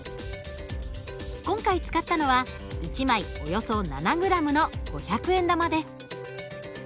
今回使ったのは１枚およそ７ｇの５００円玉です。